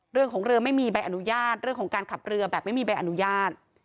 เรื่องของเรือไม่มีใบอนุญาตเรื่องของการขับเรือแบบไม่มีใบอนุญาต